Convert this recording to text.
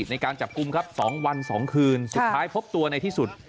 ในการจับกลุ่มครับ๒วัน๒คืนสุดท้ายพบตัวในที่สุด